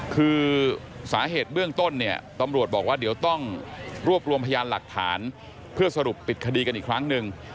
คือสาเหตุเบื้องต้นเนี่ยตำรวจบอกว่าเดี๋ยวต้องรวบรวมพยานหลักฐานเพื่อสรุปปิดคดีกันอีกครั้งหนึ่ง